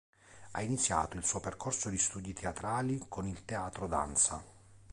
Ha iniziato il suo percorso di studi teatrali con il Teatro Danza.